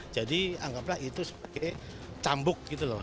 jadi anggaplah itu sebagai cambuk gitu loh